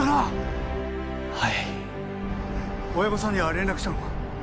はい親御さんには連絡したのか？